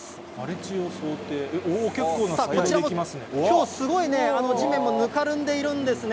おー、きょう、すごいね、地面もぬかるんでいるんですね。